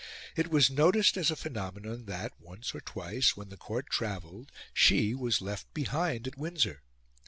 It was noticed as a phenomenon that, once or twice, when the Court travelled, she was left behind at Windsor.